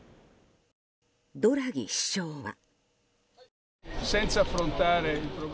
ドラギ首相は。